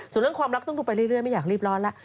ส่วนเรื่องความรักต้องดูไปเรื่อยไม่อยากรีบร้อนแล้ว